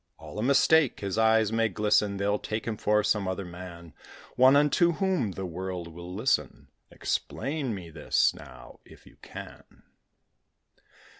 All a mistake: his eyes may glisten; They'll take him for some other man: One unto whom the world will listen. Explain me this, now, if you can.